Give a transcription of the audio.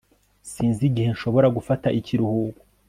Sinzi igihe nshobora gufata ikiruhuko